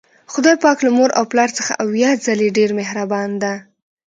خدای پاک له مور او پلار څخه اویا ځلې ډیر مهربان ده